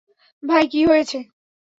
ভাই, কি হয়েছে?